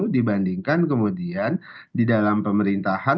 dibandingkan kemudian di dalam pemerintahan